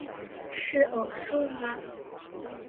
是偶數嗎